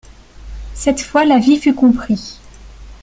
Cette fois l’avis fut compris.